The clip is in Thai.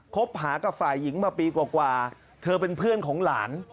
คบหากับฝ่ายหญิงมาปีกว่าเธอเป็นเพื่อนของหลาน